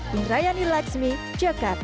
di rayani lakshmi jakarta